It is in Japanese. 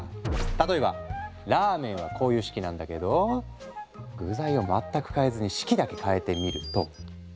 例えばラーメンはこういう式なんだけど具材を全く変えずに式だけ変えてみると。